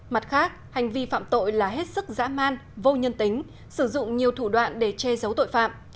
mặt khác hành vi phạm tội là hết sức dã man vô nhân tính sử dụng nhiều thủ đoạn để che giấu tội phạm